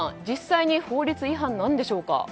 実際に法律違反なんでしょうか。